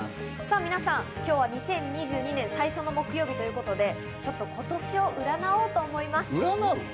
皆さん、今日は２０２２年、最初の木曜日ということで、ちょっと今年を占おうと思います。